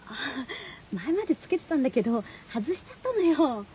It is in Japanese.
前まで付けてたんだけど外しちゃったのよ。